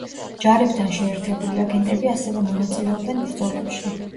ჯარებთან შეერთებული აგენტები ასევე მონაწილეობენ ბრძოლებში.